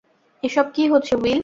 এসব কী হচ্ছে, উইল?